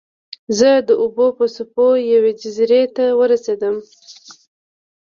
زه د اوبو په څپو یوې جزیرې ته ورسیدم.